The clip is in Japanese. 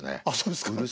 あっそうですか。